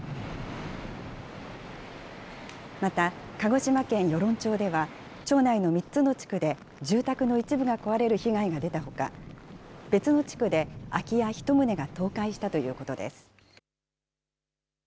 また、鹿児島県与論町では、町内の３つの地区で住宅の一部が壊れる被害が出たほか、別の地区で空き家１棟が倒壊したということです。